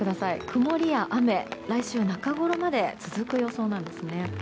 曇りや雨、来週の中ごろまで続く予想なんですね。